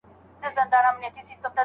تورغر د خوږیاڼو نوې ولسوالۍ شوه.